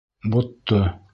Ботто!